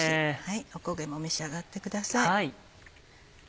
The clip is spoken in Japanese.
お焦げも召し上がってください。